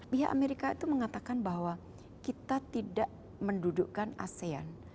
pihak amerika itu mengatakan bahwa kita tidak mendudukkan asean